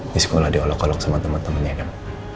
di sekolah diolok olok sama teman temannya kan